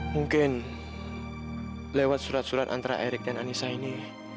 mungkin lewat surat surat antara erick dan anissa ini